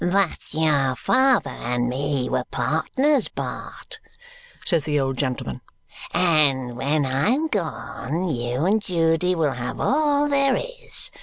"But your father and me were partners, Bart," says the old gentleman, "and when I am gone, you and Judy will have all there is.